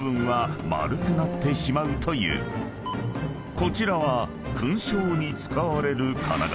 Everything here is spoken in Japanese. ［こちらは勲章に使われる金型］